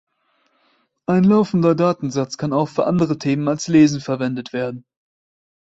Ein laufender Datensatz kann auch für andere Themen als Lesen verwendet werden.